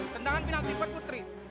tendangan penalti buat putri